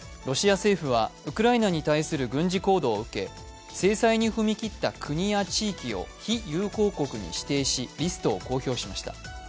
ロシア政府はウクライナに対する軍事行動を受け、制裁に踏み切った国や地域を非友好国に指定しリストを公表しました。